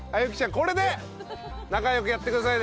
これで仲良くやってくださいね